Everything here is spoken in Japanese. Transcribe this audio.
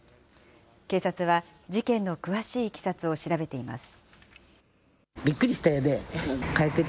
警察は事件の詳しいいきさつを調べています。